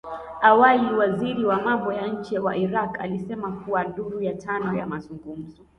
Awali waziri wa mambo ya nje wa Iraq alisema kuwa duru ya tano ya mazungumzo